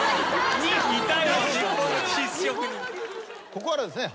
ここからはですね